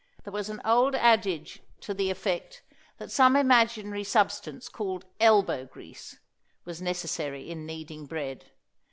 There was an old adage to the effect that some imaginary substance called "elbow grease" was necessary in kneading bread.